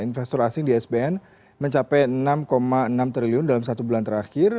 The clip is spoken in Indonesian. investor asing di sbn mencapai enam enam triliun dalam satu bulan terakhir